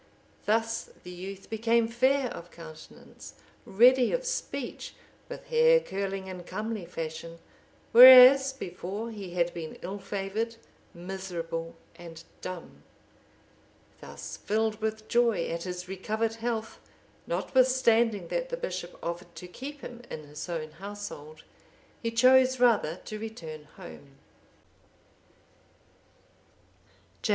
Thus the youth became fair of countenance, ready of speech, with hair curling in comely fashion, whereas before he had been ill favoured, miserable, and dumb. Thus filled with joy at his recovered health, notwithstanding that the bishop offered to keep him in his own household, he chose rather to return home. Chap.